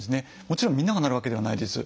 もちろんみんながなるわけではないです。